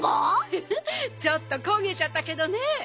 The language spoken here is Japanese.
フフッちょっとこげちゃったけどね。